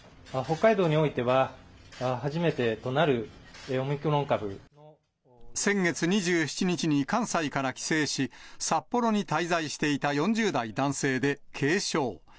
北海道においては、先月２７日に、関西から帰省し、札幌に滞在していた４０代男性で、軽症。